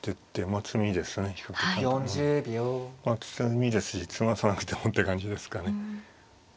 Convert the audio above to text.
まあ詰みですし詰まさなくてもって感じですかね。